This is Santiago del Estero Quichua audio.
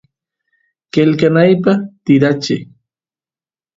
qelqanayta tikracheq